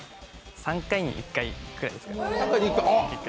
３回に１回ぐらいです。